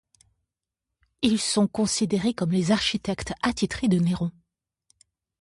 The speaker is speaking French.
Ils sont considérés comme les architectes attitrés de Néron.